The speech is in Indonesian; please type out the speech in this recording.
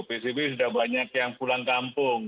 psbb sudah banyak yang pulang kampung